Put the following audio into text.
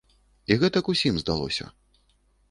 І гэтак усім здалося.